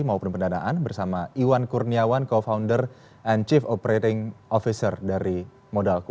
maupun pendanaan bersama iwan kurniawan co founder and chief operating officer dari modalku